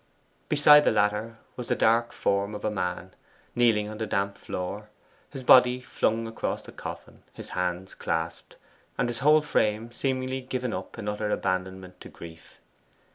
Beside the latter was the dark form of a man, kneeling on the damp floor, his body flung across the coffin, his hands clasped, and his whole frame seemingly given up in utter abandonment to grief.